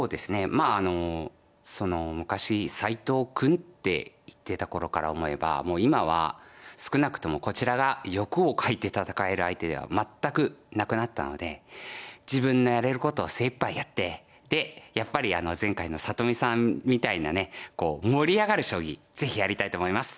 まああの昔斎藤君って言ってた頃から思えばもう今は少なくともこちらが欲をかいて戦える相手では全くなくなったので自分のやれることを精いっぱいやってでやっぱりあの前回の里見さんみたいなねこう盛り上がる将棋是非やりたいと思います。